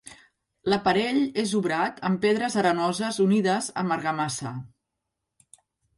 L'aparell és obrat amb pedres arenoses unides amb argamassa.